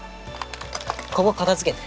ここ片付けて。